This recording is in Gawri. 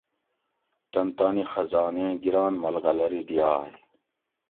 تۤن تانی خزان ایں گِران ملغلری دِیاۤگ